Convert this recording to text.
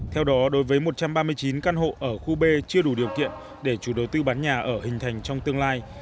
theo đó đối với một trăm ba mươi chín căn hộ ở khu b chưa đủ điều kiện để chủ đầu tư bán nhà ở hình thành trong tương lai